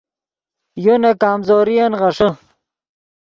یو نے کمزورین غیݰے